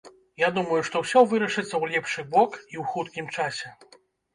Я думаю, што ўсё вырашыцца ў лепшы бок і ў хуткім часе.